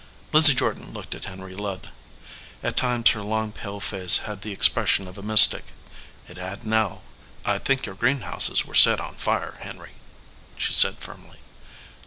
Lizzie Jordan looked at Henry Ludd. At times her long, pale face had the expression of a mystic. It had now. "I think your greenhouses were set on fire, Henry," she said, firmly.